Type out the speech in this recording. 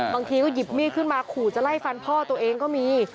บางทีก็หยิบมีดขึ้นมาขู่จะไล่ฟันพ่อตัวเองก็มี